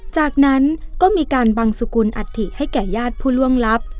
จากนั้นก็มีการบังสุกุลอัฐิให้แก่ญาติผู้ล่วงลับ